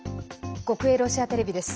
国営ロシアテレビです。